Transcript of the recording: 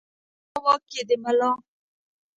ږیره زما واک یې د ملا!